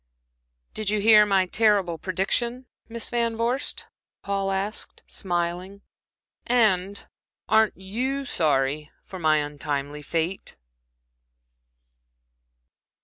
"Did you hear 's terrible prediction, Miss Van Vorst?" Paul asked, smiling, "and aren't you sorry for my untimely fate?"